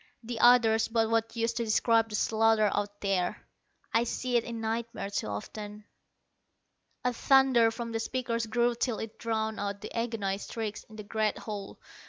The others but what use to describe the slaughter out there! I see it in nightmares too often. A thunder from the speakers grew till it drowned out the agonized shrieks in the great hall.